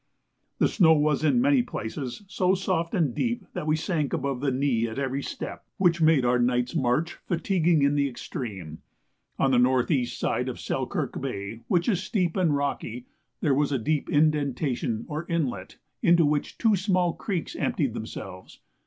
The snow was in many places so soft and deep that we sank above the knee at every step, which made our night's march fatiguing in the extreme. On the N.E. side of Selkirk Bay, which is steep and rocky, there was a deep indentation or inlet, into which two small creeks emptied themselves.